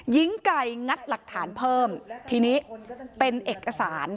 หญิงไก่งัดหลักฐานเพิ่มทีนี้เป็นเอกสาร